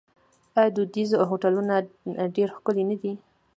آیا دودیز هوټلونه ډیر ښکلي نه دي؟